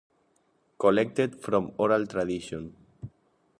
Collected From Oral Tradition.